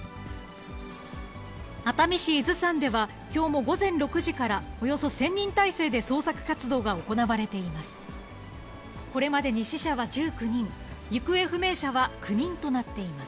熱海市伊豆山では、きょうも午前６時からおよそ１０００人態勢で捜索活動が行われています。